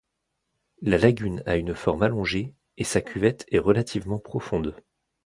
La lagune a une forme allongée et sa cuvette est relativement profonde.